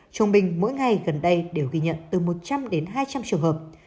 trung bình mỗi ngày gần đây đều ghi nhận từ một trăm linh đến hai trăm linh trường hợp